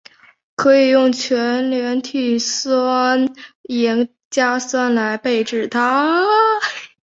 可以用全硫代锑酸盐加酸来制备它。